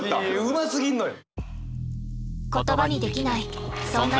うますぎんのよ！